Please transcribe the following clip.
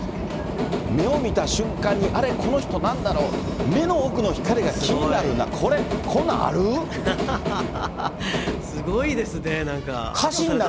目を見た瞬間にあれ、この人、なんだろう、目の奥の光が気になるな、これ、すごいですね、なんか。